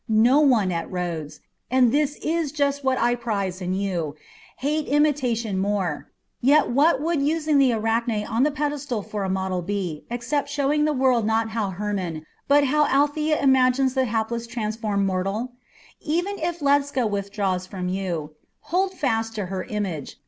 No one at Rhodes and this is just what I prize in you hated imitation more, yet what would using the Arachne on the pedestal for a model be except showing the world not how Hermon, but how Althea imagines the hapless transformed mortal? Even if Ledscha withdraws from you, hold fast to her image.